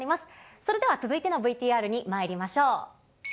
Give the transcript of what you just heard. それでは続いてのＶＴＲにまいりましょう。